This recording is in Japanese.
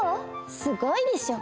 すごいでしょ？